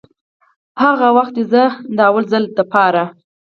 هغه وخت چې زه دې د لومړي ځل دپاره